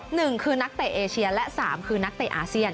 หนึ่งคือนักเตะเอเชียและสามคือนักเตะอาเซียน